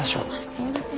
すいません。